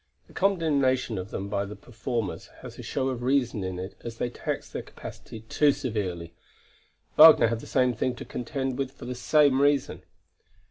The condemnation of them by the performers has a show of reason in it as they taxed their capacity too severely. Wagner had the same thing to contend with for the same reason.